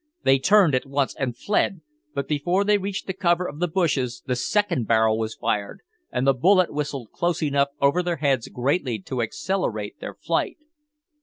They turned at once and fled, but before they reached the cover of the bushes the second barrel was fired, and the bullet whistled close enough over their heads greatly to accelerate their flight.